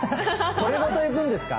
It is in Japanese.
これごといくんですか？